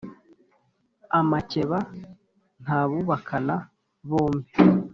amakeba ntabubakana bo mbi